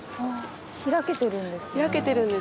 開けてるんですね。